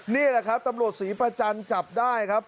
นี่แหละครับตำรวจศรีประจันทร์จับได้ครับ